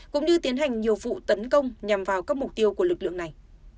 cũng như tiến hành nhiều vụ tấn công nhằm vào các mục tiêu của lực lượng này